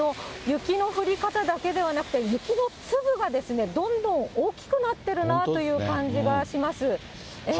雪の降り方だけではなくて、雪の粒がどんどん大きくなってるなあという感じがします。